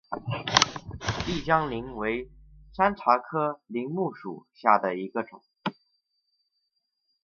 丽江柃为山茶科柃木属下的一个种。